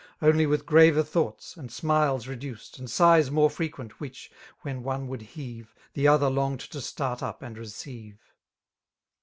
Only with graver thoughts, and smiles reduced. And sighs more frequent, which, when one would heave. The other longed to start up and ncdve.